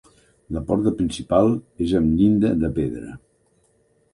La porta principal és amb llinda de pedra.